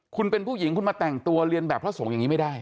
คุณเป็นผู้หญิงคุณมาแต่งตัวเรียนแบบพระสงฆ์อย่างนี้ไม่ได้